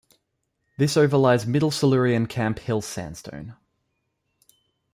This overlies middle Silurian Camp Hill Sandstone.